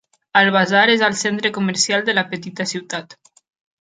El basar és el centre comercial de la petita ciutat.